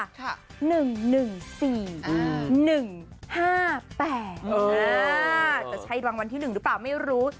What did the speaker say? จะใช่รางวัลที่๑หรือเปล่าไม่รู้